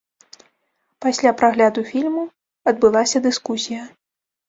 Пасля прагляду фільму адбылася дыскусія.